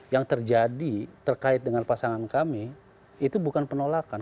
yang terjadi terkait dengan pasangan kami itu bukan penolakan